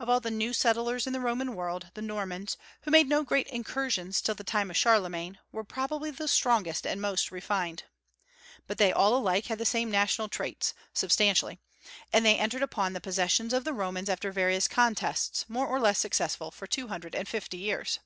Of all the new settlers in the Roman world, the Normans, who made no great incursions till the time of Charlemagne, were probably the strongest and most refined. But they all alike had the same national traits, substantially; and they entered upon the possessions of the Romans after various contests, more or less successful, for two hundred and fifty years.